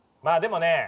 まあでもね